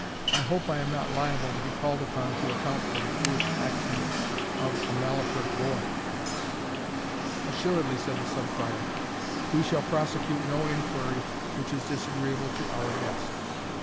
I hope I am not liable to be called upon to account for the foolish actions of a malapert boy?" "Assuredly," said the Sub Prior, "we shall prosecute no inquiry which is disagreeable to our guest.